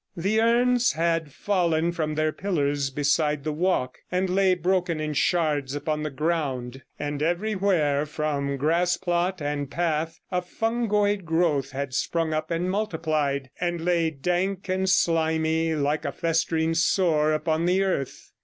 The urns had fallen from their pillars beside the walk, and lay broken in shards upon the ground, and everywhere from grass plot and path a fungoid growth had sprung up and multiplied, and lay dank and slimy like a festering sore upon the earth.